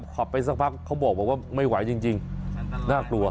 ขับไปสักพักเขาบอกว่าไม่ไหวจริงน่ากลัว